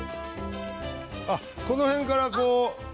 あっこの辺からこう。